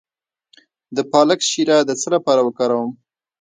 د پالک شیره د څه لپاره وکاروم؟